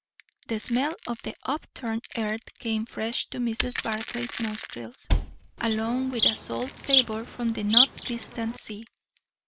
The smell of the upturned earth came fresh to Mrs. Barclay's nostrils, along with a salt savour from the not distant sea.